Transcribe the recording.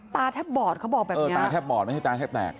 ตาแทบบอดเขาบอกแบบนี้เออตาแทบบอดไม่ใช่ตาแทบแตก